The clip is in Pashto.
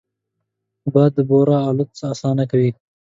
باد د بورا الوت اسانه کوي